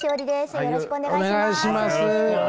よろしくお願いします。